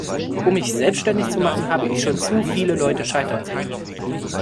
Um mich selbstständig zu machen, habe ich schon zu viele Leute scheitern sehen.